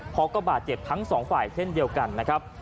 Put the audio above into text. เพราะก็บาดเจ็บทั้งสองฝ่ายเช่นเดียวกันนะครับ